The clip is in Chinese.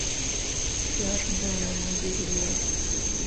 主要城镇为蒙迪迪耶。